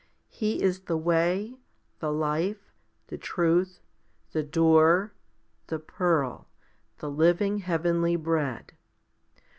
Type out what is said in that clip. He is the way, the life, the truth, the door, the pearl, the living heavenly bread.